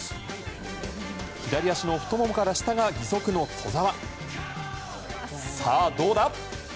左足の太ももから下が義足の兎澤。